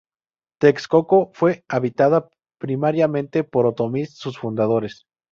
Texcoco fue habitada primeramente por otomíes, sus fundadores.